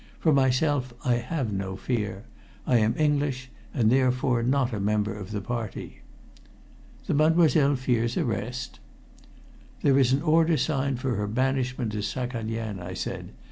"For myself, I have no fear. I am English, and therefore not a member of the Party." "The Mademoiselle fears arrest?" "There is an order signed for her banishment to Saghalein," I said.